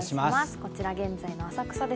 こちら現在の浅草です。